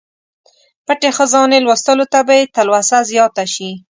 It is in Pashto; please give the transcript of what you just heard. پټې خزانې لوستلو ته به یې تلوسه زیاته شي.